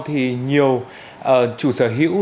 thì nhiều chủ sở hữu